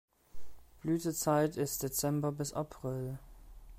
Blütezeit ist Dezember bis April.